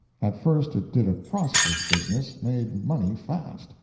At first it did a prosperous business—made money fast.